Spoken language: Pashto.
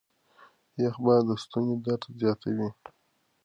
يخ باد د ستوني درد زياتوي.